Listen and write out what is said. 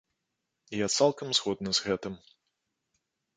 І я цалкам згодны з гэтым.